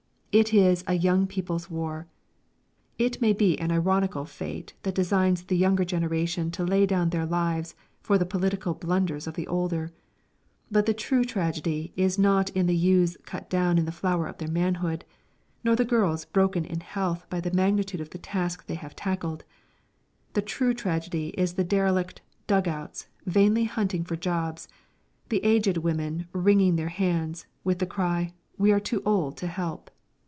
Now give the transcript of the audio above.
"It is a Young People's War." It may be an ironical fate that designs the younger generation to lay down their lives for the political blunders of the older but the true tragedy is not in the youths cut down in the flower of their manhood, nor the girls broken in health by the magnitude of the task they have tackled; the true tragedy is in the derelict "dug outs" vainly hunting for jobs, the aged women wringing their hands, with the cry, "We are too old to help!"